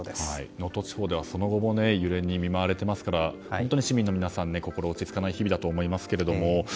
能登地方では、その後も揺れに見舞われていますから本当に市民の皆さんは心が落ち着かない日々だと思いますが。